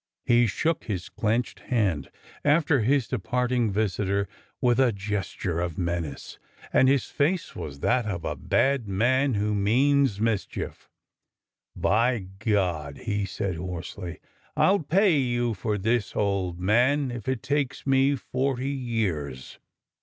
He shook his clenched hand after his departing visitor with A SPIRITED MAIDEN 85 a gesture of menace, and his face was that of a bad man who means mischief. " By God !'' he said hoarsely, '' I dl pay you for this, old man, if it takes me forty years